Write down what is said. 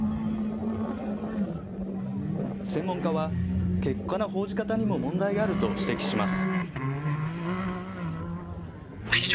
専門家は、結果の報じ方にも問題があると指摘します。